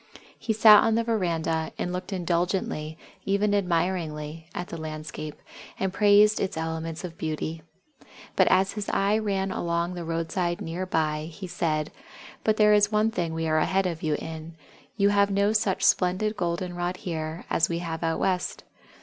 He sat on the veranda, and looked indulgently even admiringly at the landscape, and praised its elements of beauty. But as his eye ran along the roadside near by, he said: "But there is one thing that we are ahead of you in you have no such splendid Golden rod here as we have out West!